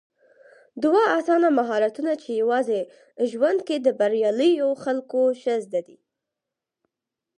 دوه اسانه مهارتونه چې يوازې ژوند کې د برياليو خلکو ښه زده دي